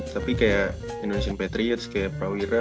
tapi kayak indonesian patriots kayak prawira